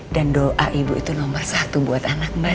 dan doa ibu itu nomor satu buat anak mbak